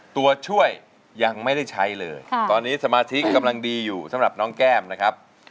ตัวช่วยยังไม่ได้ใช้เลยตอนนี้สมาธิกำลังดีอยู่สำหรับน้องแก้มนะครับ